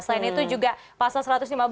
selain itu juga pasal satu ratus lima belas